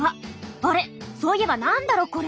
あれっそういえば何だろこれ。